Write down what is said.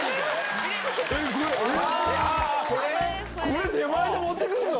これ出前で持ってくんの？